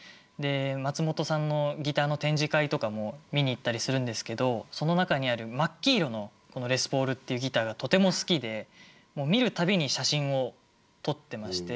松本さんのギターの展示会とかも見に行ったりするんですけどその中にある真っ黄色のレスポールっていうギターがとても好きで見る度に写真を撮ってまして。